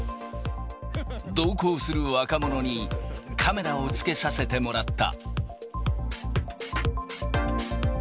同行する若者に、カメラをつけさせてもらった。